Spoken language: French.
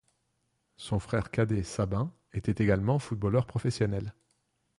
Son frère cadet, Sabin, était également footballeur professionnel.